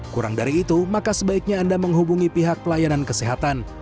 kurang dari itu maka sebaiknya anda menghubungi pihak pelayanan kesehatan